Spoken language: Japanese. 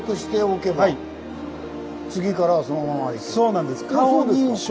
そうなんです。